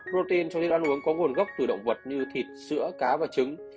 protein trong chế độ ăn uống có nguồn gốc từ động vật như thịt sữa cá và trứng